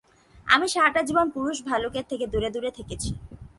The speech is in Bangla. আমি সারাটা জীবন পুরুষ ভালুকের থেকে দূরে দূরে থেকেছি।